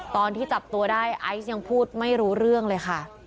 ตอนที่จับตัวได้ไอซ์ยังพูดไม่รู้เรื่องเลยค่ะ